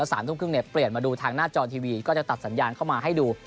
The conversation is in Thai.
แล้ว๓๓๐นเปลี่ยนมาดูทางหน้าจอทีวีก็จะตัดสัญญาณเข้ามาให้ดู